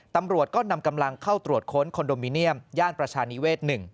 ตำรวจก็นำกำลังเข้าตรวจค้นคอนโดมิเนียมย่านประชานิเวศ๑